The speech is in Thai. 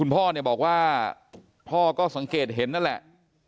พ่อเนี่ยบอกว่าพ่อก็สังเกตเห็นนั่นแหละ